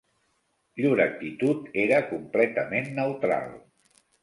Llur actitud era completament neutral